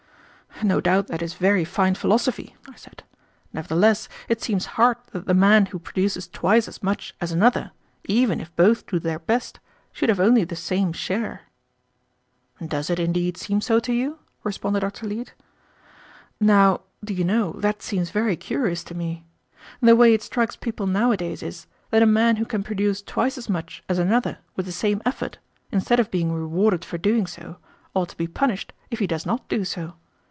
"No doubt that is very fine philosophy," I said; "nevertheless it seems hard that the man who produces twice as much as another, even if both do their best, should have only the same share." "Does it, indeed, seem so to you?" responded Dr. Leete. "Now, do you know, that seems very curious to me? The way it strikes people nowadays is, that a man who can produce twice as much as another with the same effort, instead of being rewarded for doing so, ought to be punished if he does not do so.